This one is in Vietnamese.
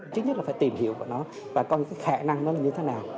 trước nhất là phải tìm hiểu của nó và coi cái khả năng nó là như thế nào